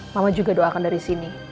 mama juga doakan dari sini